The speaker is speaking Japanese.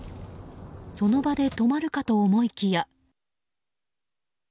その場で止まるかと思いきや。